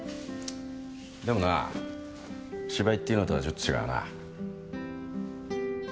でもな芝居っていうのとはちょっと違うな。